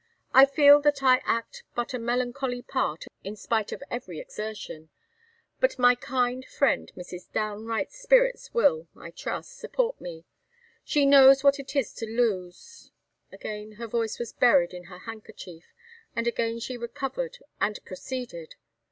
"I feel that I act but a melancholy part, in spite of every exertion. But my kind friend Mrs. Downe Wright's spirits will, I trust, support me. She knows what it is to lose " Again her voice was buried in her handkerchief, and again she recovered and proceeded.